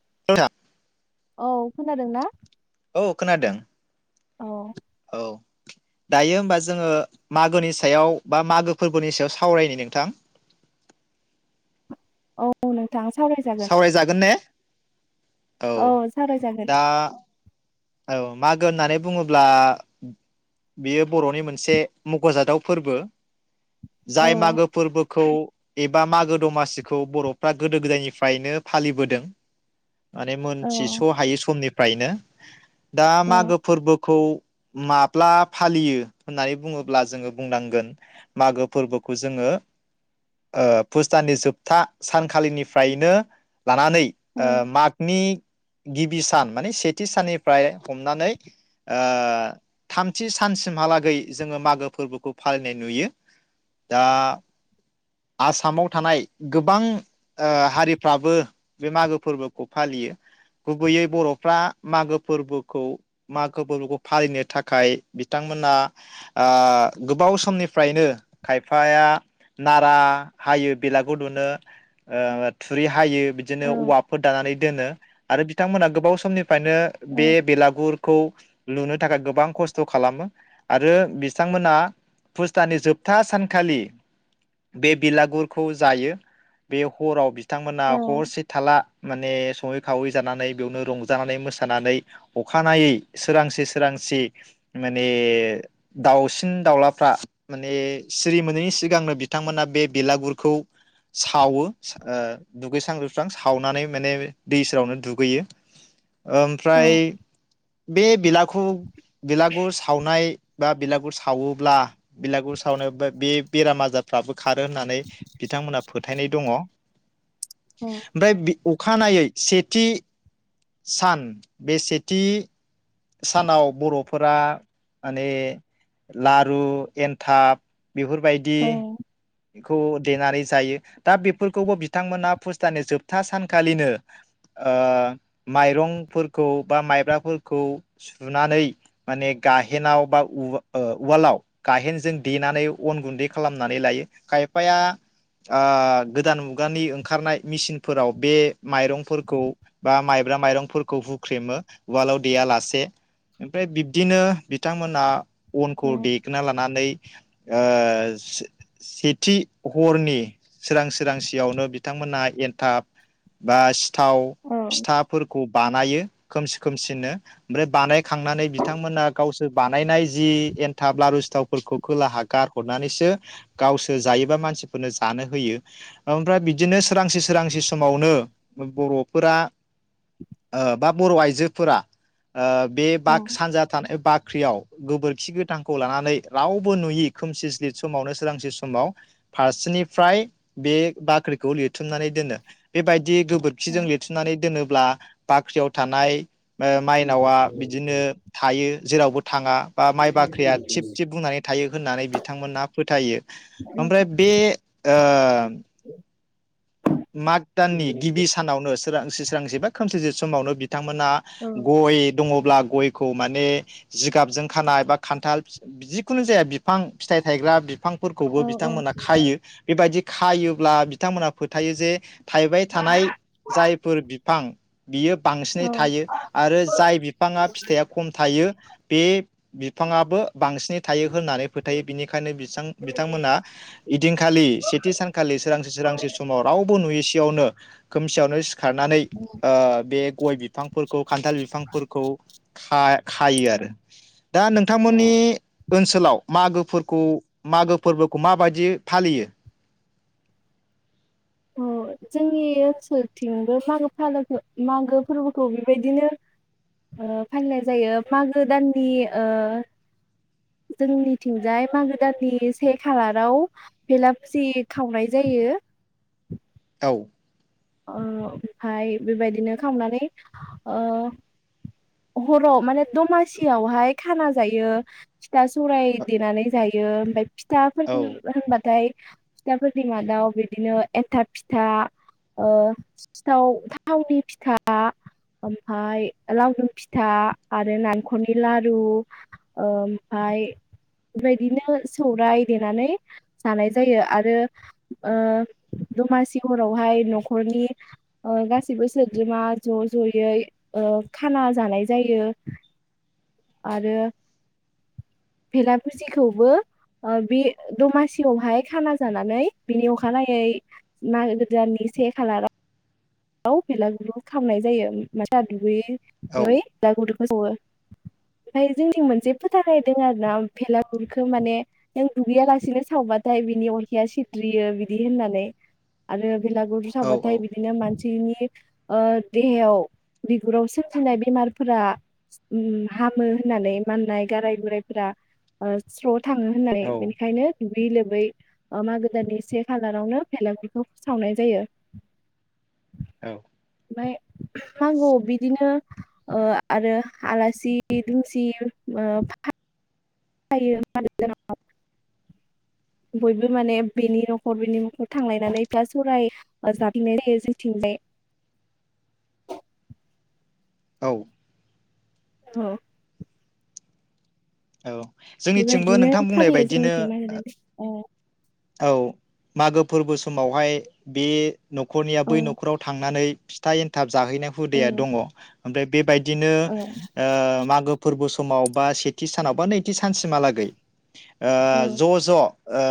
[unintelligible] औ खोनादों ना? औ खोनादों। औ। औ। दायो होमबा जोङो मागोनि सायाव बा मागो फोरबोनि सो सायाव सावरायनि नोंथां। औ नों सावरायजागोन ने? औ सावरायजागोन। दा औ मागो होननानै बुंङोब्ला बेयो बर'नि मोनसे मख'जादाव फोरबो। औ जाय मागो फोरबोखौ एब बा मागो दमासिखौ बर'फ्रा गोदो गोदायनिफ्रायनो फालिबोदों। माने औ मोनथिस' हायो समनि फ्रायनो दा औ मागो फोरबोखौ माब्ला फालियो होननानै बुंङोब्ला जोङो बुंनांगोन मागो फोरबोखौ जोङो ओ फुसताननि जोबथा सानखालिनिफ्रायनो लानानै औ ओ मागनि गिबि सान माने सेथि साननि फ्राय हमनानै ओ थामथि सानसिमहालागै जोङो मागो फोरबोखौ फालिनाय नुयो दा आसामाव थानाय गोबां ओ हारिफ्राबो बे मागो फोरबोखौ फालियो गुबैयै बर'फ्रा मागो फोरबोखौ माखो फोरबोखो फालिनो थाखाय बिथांमोना ओ गोबाव समनिफ्रायनो खायफाया नारा हायो बेलागुर दुनो ओ थुरि हायो बिदिनो औ औवाफोर दानानै दोनो आरो बिथांमोना गोबाव समनिफ्रायनो औ बे बेलागुरखौ लुनो थाखाय गोबां खस्थ' खालामो आरो बिथांमोना फुस दाननि जोबथा सानखालि बे बिलागुरखौ जायो बे हराव बि थांमोना औ हरसे थाला माने संङै खावै जानानै बेयावनो रंजानानै मोसा सानानै अखानायै सोरांसि सोरांसि माने दाउसिन दाउलाफ्रा माने सिरि मोनैनि सिगांनो बिथांमोना बे बेलागुरखौ सावो सा ओ दुगैस्रां लोबस्रां सावनानै माने दै सेरावनो दुगैयो। औ ओमफ्राय बे बेला खु बेलागुर सावनाय बा बिलागुर सावोब्ला बिलागुर सावनाय बे-बेराम आजारफ्राबो खारो होननानै बिथांमोनहा फोथायनाय दङ। ओमफ्राय बे अखानायै सेथि सान बे सेथि सानाव बर'फोरा माने लारु एनथाब बेफोरबायदि खौ देनानै जायो दा बेफोरखौबो बिथांमोनहा फुस दाननि जोबथा सानखालिनो ओ माइरंफोरखौ बा माइब्राफोरखौ सुनानै माने गाहेनाव बा उ ओ उवालाव गाहेनजों देनानै अन गुन्दै खालामनानै लायो। खायफाया ओ गोदान मुगानि ओंखारनाय मिसिनफोराव बे माइरंफोरखौ बा माइब्रा माइरंफोरखौ हुख्रेमो उवालाव देया लासे ओमफ्राय बिब्दिनो बिथांमोनहा अनखौ औ देखोना लानानै ओ सेथि हरनि सोरां सोरां सियावनो बिथांमोनहा एन्थाब बा सि थाव फिथाफोरखौ बानायो। खोमसि खोमसिनो ओमफ्राय बानायखांनानै बिथांमोना गावसोर बानायनाय जि एनथाब लारु सिथावफोरखौ खोलाहा गारहरनानैसो गावसोर जायोबा मानसिफोरनो जानो होयो ओमफ्राय बिदिनो सोरांसि सोरांसि समावनो बर'फोरा ओ बा बर' आइजोफोरा ओ बे बाग सानजा थानाय बाख ख्रियाव गोबोरखि गोथांखौ लानानै रावबो नुयै खोमसि स्लिथ समावनो सोरांसे समाव फारसेनिफ्राय बे बाख्रिखौ लिरथुमनानै दोनो बेबायदि दि गोबोरखिजों लिरथुमनानै दोनोब्ला बाख्रियाव थानाय ओ मायनावा बिदिनो थायो जेरावबो थाङा बा माइ बाख्रिया थिब थिब बुंनानै थायो होननानै बि थांमोना फोथायो। ओमफ्राय बे ओ माग दाननि गिबि सानावनो सोरांस्रि सोरांस्रिबा खोमसि सि समावनो बि बिथांमोना गय दङब्ला गयखौ माने जिगाबजों खाना एबा खान्थाल जिब जिखुनु जाया बिफां। फिथाइ थायग्रा बिफांफोरखौबो औ बिथांमोना खायो बेबायदि खायोब्ला बिथांमोनहा फोथ थायो जे थायबाय थानाय जायफोर बिफां बियो बांसिनै थायो आरो जाय बिफांङा फिथाइया खम थायो बे बिफांङाबो बांसिनै थायो। होननानै फोथायो बेनिखायनो बिसां बिथांमोना इदिनखालि सेथि सानखालि सोरांसि सोरांसि स रावबो नुयै सेयावनो खोमसेयावनो सिक खारनानै ओ बे गय बिफांफोरखौ खान्थाल बिफांफोरखौ खा-खायो आरो दा औ नोंथांमोननि ओनसोलाव मागोफोरखौ मागो फोर्बोखौ माबायदि फालियो? अ जोंनि ओनसोलथिंबो मागो फालोखो मागो फोर्बोखौ बेबायदिनो ओ फालिनाय जायो मागो दाननि ओ जोंनिथिंजाय मागो दाननि से खालाराव बेलागसिजि खावनाय जायो। औ ओ ओमफाय बेबायदिनो खावनानै ओ हराव माने दमासियावहाय खाना जायो फिथा सौराय देनानै जायो ओमफाय फिथा औ फोरनि होनबाथाय फिथाफोरनि मादाव बिदिनो एनथाब फिथा ओ सिथाव थावनि फिथा ओमफाय लावदुम फिथा आरो नालेंखरनि लारु ओमफाय बेबायदिनो सौराय देनानै जानाय जायो आरो ओ दमासि हरावहाय नख खरनि ओ गासैबो सोद्रोमा ज' ज'यै ओ खाना जानाय जायो। आरो भेलाफुसिखौबो ओ बे दमासियावहाय खाना जानानै बिनि अखानायै मागो दाननि से खालाराव दाउ बेलागुरलु खावनाय जायो मा [unintelligible] दुगैयै औ [unintelligible] फोसावो ओमफाय जोंथिं मोनसे फोथा गायदों आरो ना भेलागुरखौ माने नों दुगैयालासिनो सावबाथाय बिनि अरखिया सिथ्रियो बिदि होननानै आरो बेलागुर सावबाथाय बिदिनो मानसि बिनि ओ देहायाव बिगुराव सोमजिनाय बेमारफोरा उम हामो होननानै माननाय गाराय गुरायफोरा स्रत थांङो होननानै औ बेनिखायनो दुैगैयै लोबै ओ मागो दाननि से खालारावनो भेलागुरखौ सावनाय जायो। औ ओमफाय मागोआव बिदिनो ओ आरो आलासि दुमसि ओ फा फायो मागो दानाव बयबो माने बेनि न'खर बैनि न'खर थांलायनानै फिथा सौराय ओ जाबथिंनाय जायो जोंथिंजाय औ औ औ जोंनिथिंबो बेबायदिनो नोंथां बुंनाय फालियो बायदिनो जोंनिथिं [unintelligible] अ औ मागो फोरबो समावहाय बे न'खरनिया औ बै न'खराव थांनानै फिथा एन्थाब जाहैनाय हुदाया जोंथिंबो दंङ ओमफ्राय बेबायदिनो ओ मागोब फोरबो समाव बा सेथ थि सानाव बा नैथि सानसिमहालागै ओ ज' ज' ओ ओ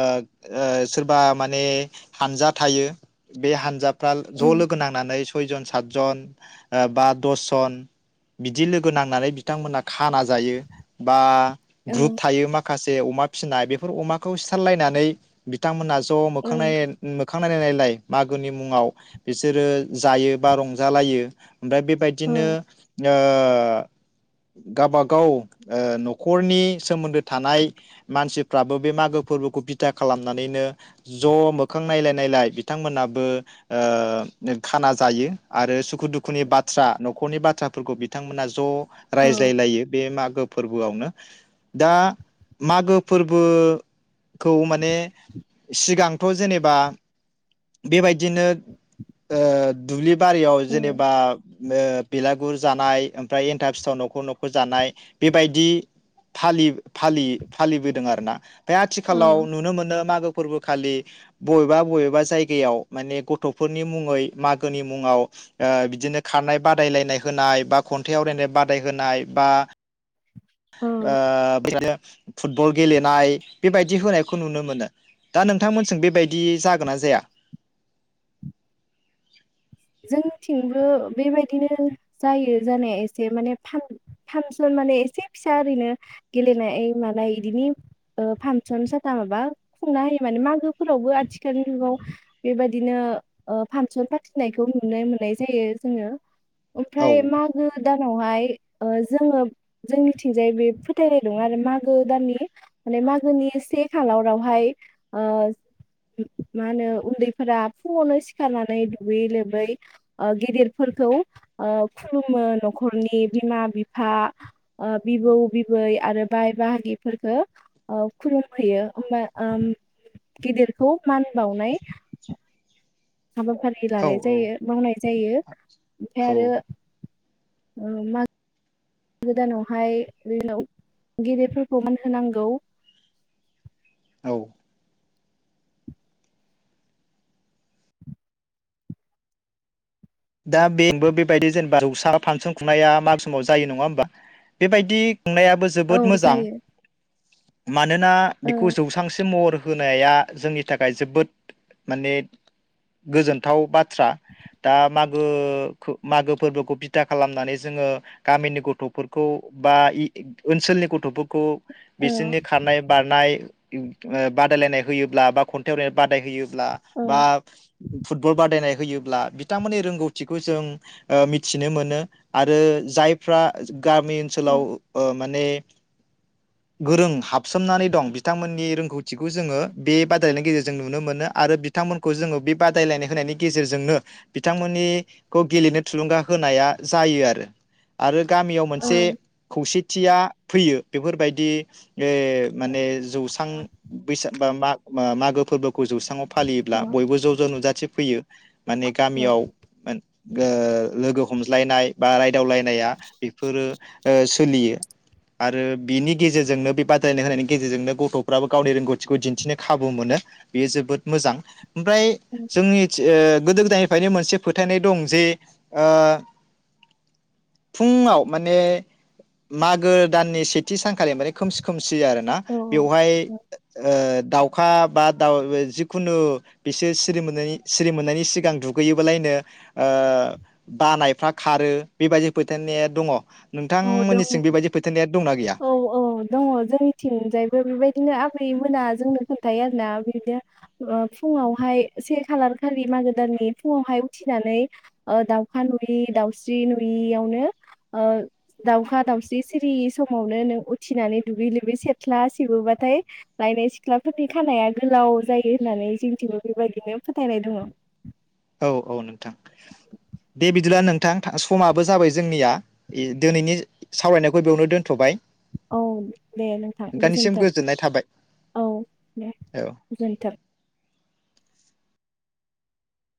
सोरबा माने हान्जा थायो बे हान्जा फ्राल ज' लोगो नांनानै सयजन सातजन ओ बा दसजन बिदि लोगो नांनानै बिथांमोनहा खाना जायो। बा ग्रुप थायो माखास बे अमा फिसिनाय बेफोर अमाखौ सिथारलायनानै बिथांमोना ज' मोखां नायेन उम मोख खां नायलाय नायलाय मागोनि मुंङाव बिसोरो जायो बा रंजालायो। ओमफ्राय बेबायदिनो ओ गाबागाव ओ न'खरनि सोमोन्दो थानाय मानसिफ्राबो बे मागो फोर्बोखौ बिथा खालामनानैनो ज' मोखां नायलाय नायलाय बिथांमोनाबो ओ खाना जायो आरो सुखु दुखुनि बाथ्रा न'खरनि बाथ्राफोरखौ बिथांमोना ज' रायज्लाय लायो बे मागो फोर्बोआवनो दा मागो फोर्बो खौ माने सिगांथ' जेनेबा बेबायदिनो ओ दुब्लि बारियाव जेनेबा ओ बेलागुर जानाय ओमफ्राय एन्थाब सिथाव न'खर न'खर जानाय। बेबायदि फालि फालि फालिबोदों आरोना। बे आथिखालाव नुनो मोनो मागो फोर्बोखालि बबेबा बबेबा जायगायाव माने गथ'फोरनि मुङै मागोनि मुङाव ओ बिदिनो खारनाय बादायलायनाय होनाय बा खन्थाइ आवरायनाय बादायहोनाय बा ओ [unintelligible] फुटबल गेलेनाय बेबायदि होनायखौ नुनो मोनो। दा नोंथांमोनजों बेबायदि जागोन ना जाया? जोंथिंबो बेबायदिनो जायो जानाया एसे माने फां-फान्सन माने एसे फिसा ओरैनो गेलेनाय मानाय इदिनि ओ फान्सन साथा माबा खुंना होयो माने मागोफोरावबो आथिखालनि जुगाव बेबायदिनो ओ फान्सन फाथि नायखौ नुनाय मोननाय जायो जोङो। औ ओमफ्राय मागो दानावहाय ओ जोङो जोंनिथिंजाय बे फोथायनाय दं आरो मागो दाननि माने मागोनि से खालारावहाय ओ मा होनो उन्दैफोरा फुङावनो सिखारनानै दुगै लोबै ओ गिदिरफोरखौ ओ खुलुमो न'खरनि बिमा बिफा ओ बिबौ बिबै आरो बाय बाहागिफोरखौ ओ खुलुमहैयो ओमबा ओम गिदिरखौ मान बावनाय हाबाफारि औ लानाय औ जायो मावनाय जायो ओमफाय आरो औ औ माग गोदानावहाय [unintelligible] गेदेरफोरखौ मान होनांगौ। [inaudible] दा बेबो बेबायदि जेनेबा जौसा फांसन खुंनाया माग समाव जायो नङा होमबा बेबायदि खुंनायाबो औ जोबोद मोजां। जायो मानोना औ बिखौ जौसांसिम महर होनाया जोंनि थाखाय जोबोद माने गोजोन्थाव बाथ थ्रा दा माग ओ खो मागो फोर्बोखौ बिथा खालामनानै जोङो गामिनि गथ'फोरखौ बायि ओनसोलनि गथ'फोरखौ औ बिसोरनि खारनाय बारनाय इम ओ बादायलायनाय होयोब्ला बा खन्थाइ आवराय बादाय होयो ब्ला औ बा फुटबल बादायनाय होयोब्ला बिथांमोननि रोंगौ थिखौ जों मिथिनो मोनो आरो जायफ्रा गामि औ ओनसोलाव ओ माने गोरों हाबसोमनानै दं बिथांमोननि रोंगौथिखौ जोङो बे बादायलायनायनि गेजेरजों नुनो मोनो। आरो बिथांमोनखौ जोङो बे बादायलायनाय होनायनि गेजेरजोंनो बिथांमोननि खौ गेलेनो थुलुंगा होनाया जायो आरो। आरो गामियाव औ मोनसे खौसे थिया फैयो बेफोरबायदि ए माने जौसां बैसाग बा माग बा मागो फोरबो खौ जौस्राङाव फालियोब्ला बयबो ज' ज' नुजाथि फैयो माने औ गामियाव ओ लोगो हमज्लायनाय बा राय [unintelligible] बेफोरो ओ सोलियो आरो बिनि गेजेरजोंनो बे बादायलायनाय होनायनि गेजेरजोंनो गथ'फ्राबो गावनि रोंगौथिखौ दिन्थिनो खाबु मोनो बेयो जोबोद मोजां मोजां। ओमफ्राय जोंनिथि ओ गोदो गोदायनिफ्रायनो मोनसे फोथायनाय दं जे ओ फुंयाव माने मागो दाननि सेथि सानखालि माने खोमसि खोमसि सि आरोना बेवहाय ओ दाउखा बा दाउ जिखुनु बिसोर सिरि मोननायनि सिरि मोननायनि सिगां दुगैयोबालायनो ओ बानायफ्रा खारो बेबायदि फोथायारनाया दङ। औ दङ नोंथांमोननिसिं बेबायदि फोथायनाया दंना गैया औ औ दङ जोंनिथिंजायबो बेबायदिनो आबै मोना जोंनो खोन्थायो आरोना बिदि फुङावहाय से खालार खालि मागो दाननि फुङावहाय उथिनानै ओ दाउखा नुयि दाउस्रि नुयियावनो ओ दाावखा दाावस्रि सिरि समावनो नों उथिनानै दुगै लुबै सेथ्ला सेबोबाथाय लायनाय सिख्लाफोरनि खानाया गोलाव जायो होननानै जोंथिबो बेबायदिनो फोथायनाय दङ। औ औ नोंथां दे बिदिब्ला नोंथां समाबो जाबाय जोंनिया इ दिनैनि सावरायनायखौ बेयावनो दोनथ'बाय। औ दे नोंथां नोंथांनिसिम गोजोनथों गोजोननाय थाबाय औ दे औ गोजोनथों।